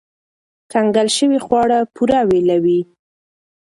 کنګل شوي خواړه پوره ویلوئ.